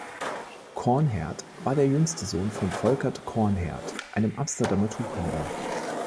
Coornhert war der jüngste Sohn von Volckert Coornhert, einem Amsterdamer Tuchhändler.